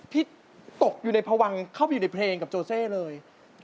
ที่ตกอยู่ในพวังเข้าไปอยู่ในเพลงกับโจเซ่เลย